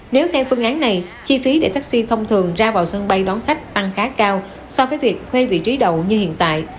nếu theo phương án này chi phí để taxi thông thường ra vào sân bay đón khách tăng khá cao so với việc thuê vị trí đầu như hiện tại